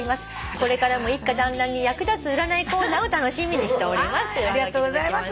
これからも一家だんらんに役立つ占いコーナーを楽しみにしております」というおはがき頂きました。